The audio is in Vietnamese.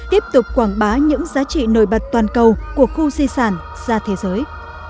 tiếp tục quảng bá những giá trị nổi bật toàn cầu của khu di sản ra thế giới